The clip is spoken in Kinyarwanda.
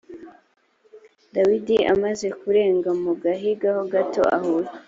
dawidi amaze kurenga mu gahinga ho gato ahura